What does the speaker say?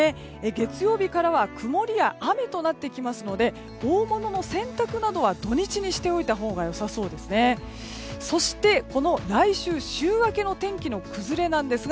月曜日からは曇りや雨となってきますので大物の洗濯などは土日にしておいたほうが良さそうですね。